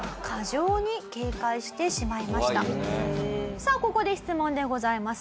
さあここで質問でございます。